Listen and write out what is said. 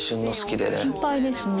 心配ですよね。